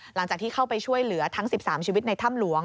หลังจากที่เข้าไปช่วยเหลือทั้ง๑๓ชีวิตในถ้ำหลวง